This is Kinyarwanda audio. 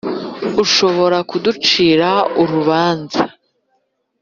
Ushobora kuducira urubanza